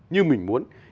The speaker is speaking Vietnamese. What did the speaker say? như mình muốn